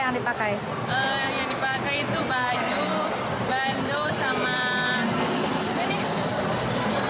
yang dipakai itu baju bandu sama ini